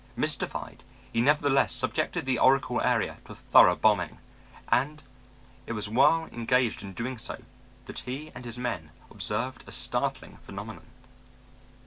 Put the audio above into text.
Mystified, he nevertheless subjected the Oracle area to a thorough bombing, and it was while engaged in doing so that he and his men observed a startling phenomenon.